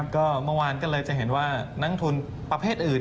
ก็เมื่อวานก็เลยจะเห็นว่านักทุนประเภทอื่น